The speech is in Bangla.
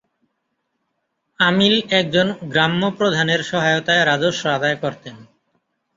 আমিল একজন গ্রাম্যপ্রধানের সহায়তায় রাজস্ব আদায় করতেন।